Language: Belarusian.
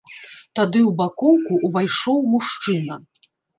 Тады ў бакоўку ўвайшоў мужчына.